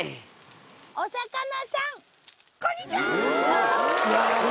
お魚さんこんにちは！